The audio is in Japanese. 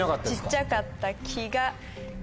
小っちゃかった気が。